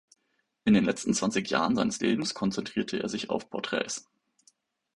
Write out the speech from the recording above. In den letzten zwanzig Jahren seines Lebens konzentrierte er sich auf Porträts.